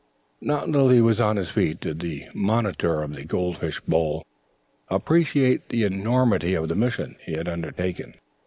Not until he was on his feet did the Monitor of the Gold Fish Bowl appreciate the enormity of the mission he had undertaken.